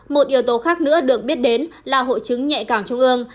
một yếu tố khác nữa được biết đến là hội chứng nhẹ cảm trung ương